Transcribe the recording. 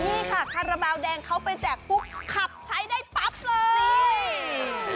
นี่ค่ะคาราบาลแดงเขาไปแจกปุ๊บขับใช้ได้ปั๊บเลย